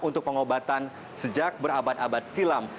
untuk pengobatan sejak berabad abad silam